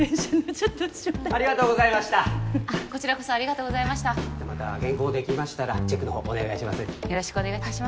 じゃあまた原稿出来ましたらチェックのほうお願いします。